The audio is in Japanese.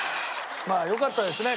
まあよかったですね